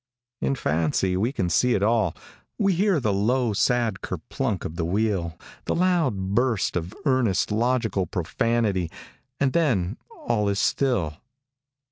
In fancy we can see it all. We hear the low, sad kerplunk of the wheel, the loud burst of earnest, logical profanity, and then all is still.